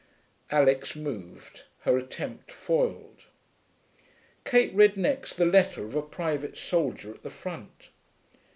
Alix moved, her attempt foiled. Kate read next the letter of a private soldier at the front.